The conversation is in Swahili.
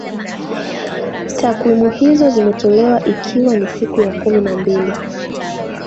takwimu hizo zimetolewa ikiwa ni siku ya kumi na mbili